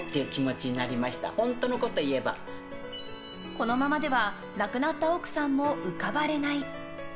このままでは亡くなった奥さんも浮かばれない。